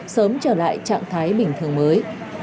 sớm trở lại trạng thái bình thường mới